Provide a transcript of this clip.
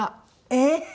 えっ！